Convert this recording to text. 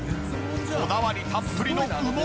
こだわりたっぷりの羽毛！